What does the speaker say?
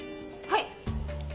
はい。